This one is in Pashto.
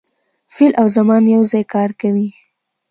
فعل او زمان یو ځای کار کوي.